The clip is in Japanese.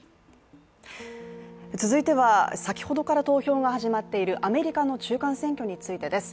続いては先ほどから投票が始まっているアメリカの中間選挙についてです。